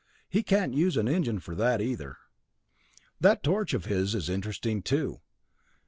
He can't use an engine for that either. "That torch of his is interesting, too.